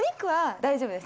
大丈夫です。